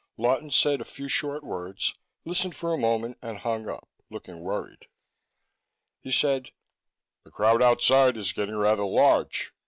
Lawton said a few short words, listened for a moment and hung up, looking worried. He said: "The crowd outside is getting rather large.